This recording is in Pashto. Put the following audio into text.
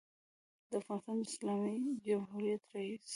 دافغانستان د اسلامي جمهوریت رئیس